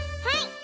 はい。